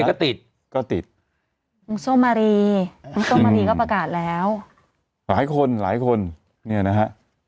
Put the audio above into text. ก็ติดก็ติดน้องส้มมารีน้องส้มมารีก็ประกาศแล้วหลายคนหลายคนเนี่ยนะฮะ